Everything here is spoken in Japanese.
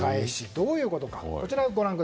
どういうことか？